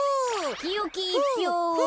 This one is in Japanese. きよきいっぴょうを。